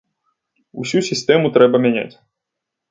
Усю сістэму трэба мяняць.